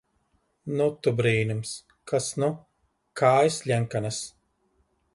Nu, tu brīnums! Kas nu! Kājas ļenkanas...